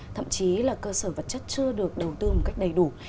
thậm chí là cơ sở vật chất chưa được đầu tư một cách đầy đủ